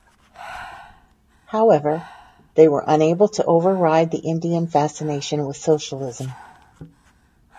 However, they were unable to over-ride the Indian fascination with socialism.